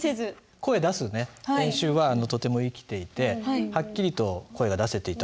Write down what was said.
声出す練習はとても生きていてはっきりと声が出せていたというふうに思いますね。